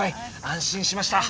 安心しました。